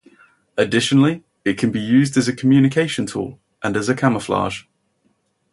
Additionally, it can be used as a communication tool and as a camouflage.